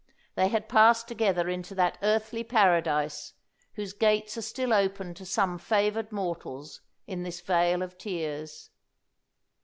They had passed together into that earthly paradise whose gates are still opened to some favoured mortals in this vale of tears.